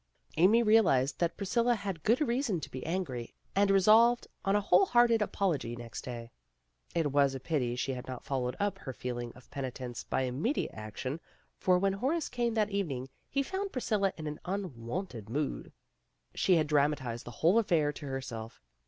Amy realized that Priscilla had good reason to be angry, and resolved on a whole hearted apology next day. It was a pity she had not followed up her feeling of penitence by immediate action, for when Horace came that evening he found Priscilla in an unwonted mood. She had dramatized the whole affair to herself.